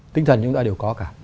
tinh thần chúng ta đều có cả